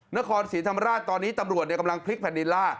นครศรีธรรมราชตอนนี้ตำรวจกำลังพลิกแผ่นดินล่า